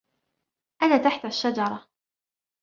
أنا تحت الشجرة.